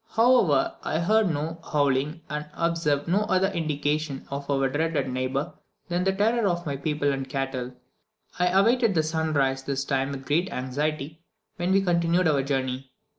However, I heard no howling, and observed no other indication of our dreaded neighbour than the terror of my people and cattle. Nevertheless, I awaited the sunrise this time with great anxiety, when we continued our journey.